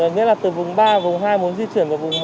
nghĩa là từ vùng ba vùng hai muốn di chuyển vào vùng